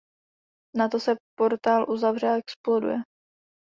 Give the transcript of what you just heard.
Na to se portál uzavře a exploduje.